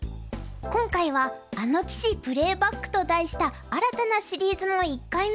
今回は「あの棋士プレーバック！」と題した新たなシリーズの１回目。